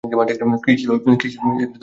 কী ছিল ওটা?